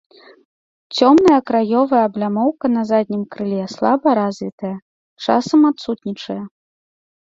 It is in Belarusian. Цёмная краёвая аблямоўка на заднім крыле слаба развітая, часам адсутнічае.